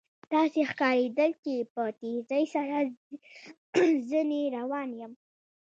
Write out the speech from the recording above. داسې ښکارېدل چې په تېزۍ سره ځنې روان یم.